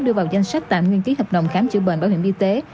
đưa vào danh sách tạm nguyên ký hợp đồng khám chữa bệnh bảo hiểm y tế